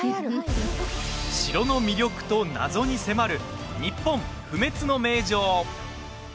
城の魅力と謎に迫る「ニッポン不滅の名城」。